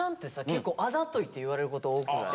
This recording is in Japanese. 結構あざといって言われること多くない？